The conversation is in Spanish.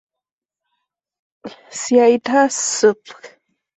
Cyathea subg.